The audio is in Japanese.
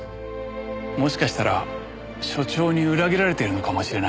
もしかしたら所長に裏切られてるのかもしれない。